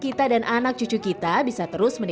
atau hanya kerja di istana yang indah